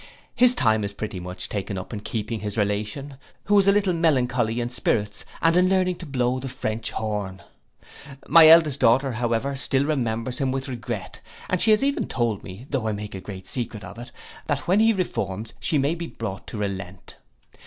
His time is pretty much taken up in keeping his relation, who is a little melancholy, in spirits, and in learning to blow the French horn. My eldest daughter, however, still remembers him with regret; and she has even told me, though I make a great secret of it, that when he reforms she may be brought to relent.